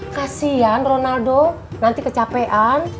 kasian ronaldo nanti kecapean